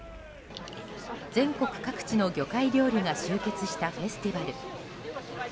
全国各地の魚介料理が集結したフェスティバル。